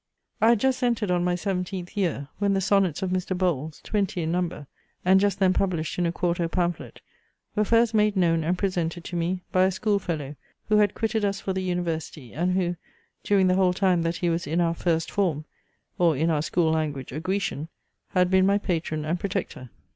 I had just entered on my seventeenth year, when the sonnets of Mr. Bowles, twenty in number, and just then published in a quarto pamphlet, were first made known and presented to me, by a schoolfellow who had quitted us for the University, and who, during the whole time that he was in our first form (or in our school language a Grecian,) had been my patron and protector.